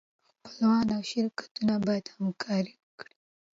خپلوان او شرکتونه باید همکاري وکړي.